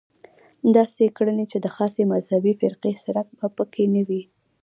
داسې کړنې چې د خاصې مذهبي فرقې څرک به په کې نه وي.